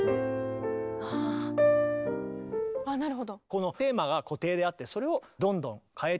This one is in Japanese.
なるほど。